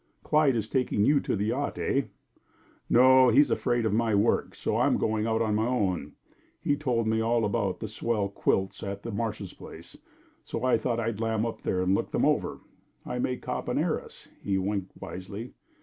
"Clyde is taking you to the yacht, eh?" "No! He's afraid of my work, so I'm going out on my own. He told me all about the swell quilts at Marsh's place, so I thought I'd lam up there and look them over. I may cop an heiress." He winked wisely.